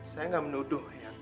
saya gak menuduh eang